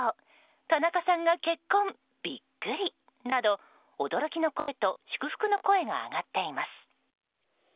田中さんが結婚、ビックリなど驚きの声と祝福の声が上がっています。